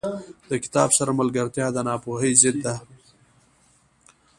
• د کتاب سره ملګرتیا، د ناپوهۍ ضد دی.